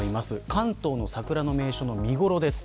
関東の桜の名所の見頃です。